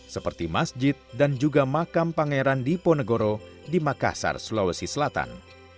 seperti masjid dan juga makam pangeran diponegoro di makassar sulawesi selatan